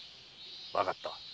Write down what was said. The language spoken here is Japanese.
わかった。